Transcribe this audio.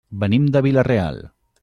Venim de Vila-real.